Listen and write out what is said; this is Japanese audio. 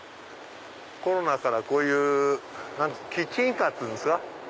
コロナからこういうキッチンカーっていうんですか。